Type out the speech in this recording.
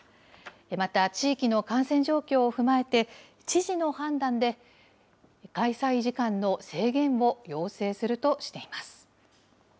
また、地域の感染状況を踏まえて、知事の判断で開催時間の制限を要請するとしています。